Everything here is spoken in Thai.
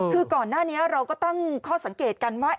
คือก่อนหน้านี้เราก็ตั้งข้อสังเกตกันว่า